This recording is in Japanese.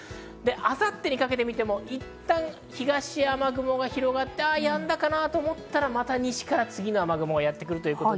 明後日にかけて見ても雨雲が広がって、やんだかなと思うと、西から次の雨雲がやってくる。